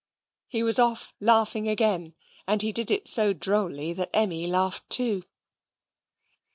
He was off laughing again, and he did it so drolly that Emmy laughed too.